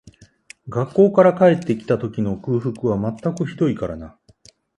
学校から帰って来た時の空腹は全くひどいからな